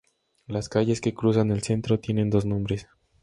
Las calles que cruzan el centro, tienen dos nombres.